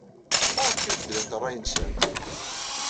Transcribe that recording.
Maɣef ay beddlent ṛṛay-nsent?